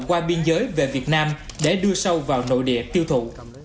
qua biên giới về việt nam để đưa sâu vào nội địa tiêu thụ